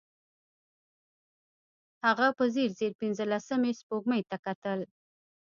هغه په ځير ځير پينځلسمې سپوږمۍ ته کتل.